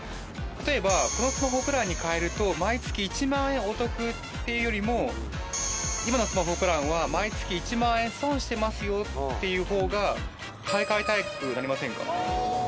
例えばこのスマホプランに変えると毎月１万円お得っていうよりも今のスマホプランは毎月１万円損してますよっていうほうが買い替えたくなりませんか